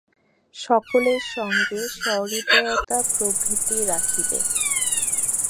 সকলের সঙ্গে সহৃদয়তা প্রভৃতি রাখিবে।